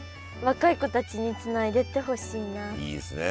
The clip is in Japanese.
いいですね